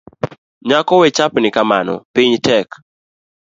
Nyako wechapni kamano piny tek.